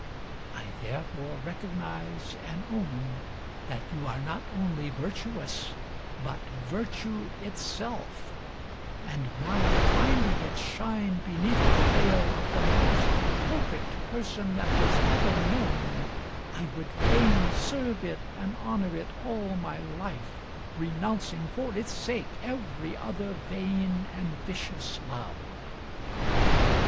I therefore recognise and own that you are not only virtuous but virtue itself; and now, finding it shine beneath the veil of the most perfect person that was ever known, I would fain serve it and honour it all my life, renouncing for its sake every other vain and vicious love."